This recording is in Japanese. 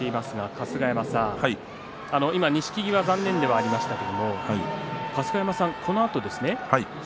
春日山さん錦木は残念でしたけれども春日山さん、このあとですね。